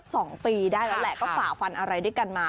สองปีได้แล้วแหละก็ฝ่าฟันอะไรด้วยกันมา